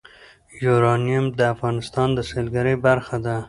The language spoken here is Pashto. یورانیم د افغانستان د سیلګرۍ برخه ده.